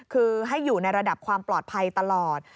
คือให้อยู่ในระดับความปลอดภัยตลอด